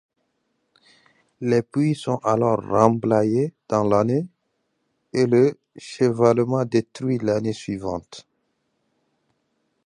Les puits sont alors remblayés dans l'année, et les chevalements détruits l'année suivante.